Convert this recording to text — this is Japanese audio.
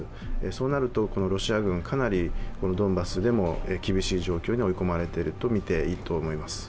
そうなると、ロシア軍かなりドンバスでも厳しい状況に追い込まれていると見ていいと思います。